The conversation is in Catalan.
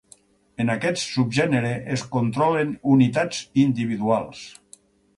En aquest subgènere es controlen unitats individuals.